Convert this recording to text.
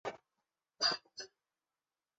此后世宗改为派遣他人。